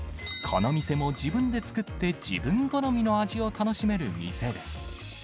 この店も自分で作って、自分好みの味を楽しめる店です。